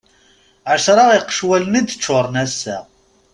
Ɛecra iqecwalen i d-ččuren ass-a.